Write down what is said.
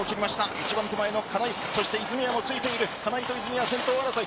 一番手前の金井、そして泉谷もついている、金井と泉谷、先頭争い。